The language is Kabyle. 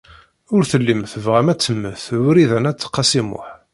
Ur tellim tebɣam ad temmet Wrida n At Qasi Muḥ.